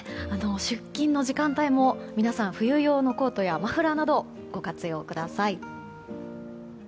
出勤の時間帯も皆さん、冬用のコートやマフラーなどをご活用ください。